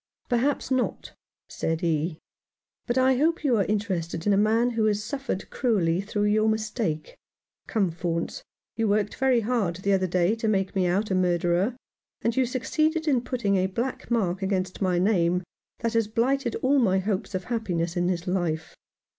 " Perhaps not," said he ;" but I hope you are interested in a man who has suffered cruelly through your mistake. Come, Faunce, you worked very hard the other day to make me out a murderer, and you succeeded in putting a black mark against my name that has blighted all my hopes of happiness in this life.